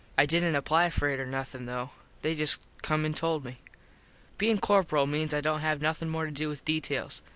I didnt apply for it or nothin though. They just come and told me. Bein corperal means I dont have nothin more to do with details.